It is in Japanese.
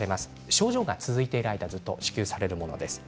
症状が続いている間ずっと支給されるものです。